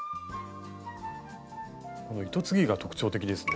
糸継ぎが特徴的ですね。